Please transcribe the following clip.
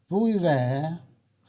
vui vẻ và tốt đẹp